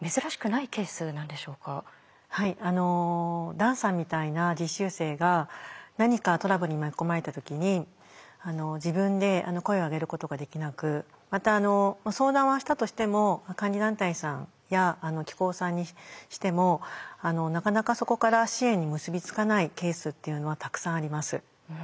ダンさんみたいな実習生が何かトラブルに巻き込まれた時に自分で声を上げることができなくまた相談はしたとしても監理団体さんや機構さんにしてもなかなかそこから支援に結び付かないケースっていうのはたくさんあります。